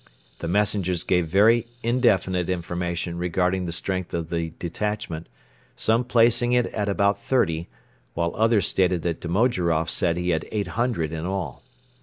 The messengers gave very indefinite information regarding the strength of the detachment, some placing it at about thirty while others stated that Domojiroff said he had eight hundred in all.